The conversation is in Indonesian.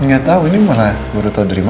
gak tau ini malah baru tau dari mama